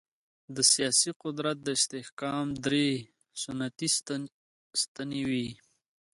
د سیاسي قدرت د استحکام درې سنتي ستنې وې.